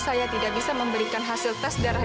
saya tidak bisa memberikan hasil tes darah